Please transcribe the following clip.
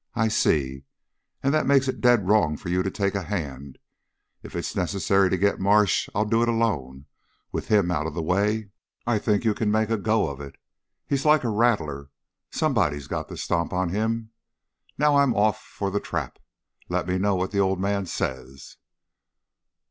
"I see! And that makes it dead wrong for you to take a hand. If it's necessary to get Marsh, I'll do it alone. With him out of the way, I think you can make a go of it. He's like a rattler somebody's got to stomp on him. Now I'm off for the trap. Let me know what the old man says."